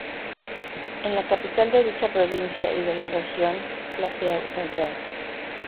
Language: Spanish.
Es la capital de dicha provincia y de la región Plateau-Central.